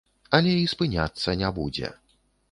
Але і спыняцца не будзе.